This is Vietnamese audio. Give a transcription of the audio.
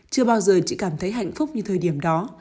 chưa bao giờ chị cảm thấy hạnh phúc như thời điểm đó